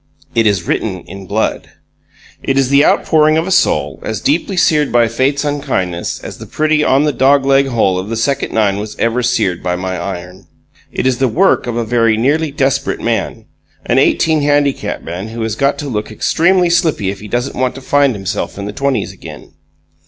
It is written in blood. It is the outpouring of a soul as deeply seared by Fate's unkindness as the fairway on the dog leg hole of the second nine was ever seared by my iron. It is the work of a very nearly desperate man, an eighteen handicap man who has got to look extremely slippy if he doesn't want to find himself in the twenties again.